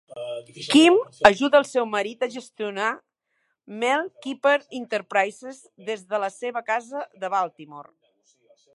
Kim ajuda el seu marit a gestionar Mel Kiper Enterprises des de la seva casa de Baltimore.